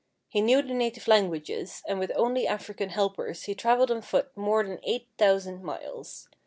He knew the native languages, and with only African helpers he traveled on foot more than eight thousand miles.